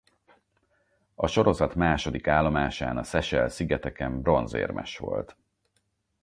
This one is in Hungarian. A sorozat második állomásán a Seychelle-szigeteken bronzérmes volt.